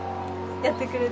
やってくれて。